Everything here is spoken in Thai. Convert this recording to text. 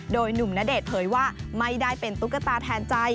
โดยหนุ่มณเดชน์เผยว่าไม่ได้เป็นตุ๊กตาแทนใจ